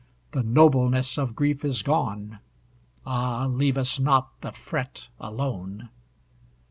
The nobleness of grief is gone Ah, leave us not the fret alone!